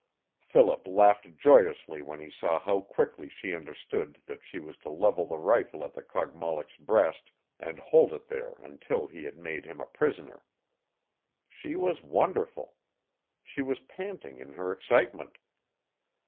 Philip laughed joyously when he saw how quickly she understood that she was to level the rifle at the Kogmollock's breast and hold it there until he had made him a prisoner. She was wonderful. She was panting in her excitement.